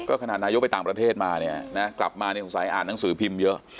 ขนาดนายกไปต่างประเทศมาเนี่ยนะกลับมาเนี่ยสงสัยอ่านหนังสือพิมพ์เยอะ